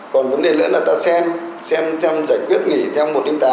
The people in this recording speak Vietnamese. còn vấn đề nữa là ta xem xem giải quyết nghỉ theo một tám một một mươi ba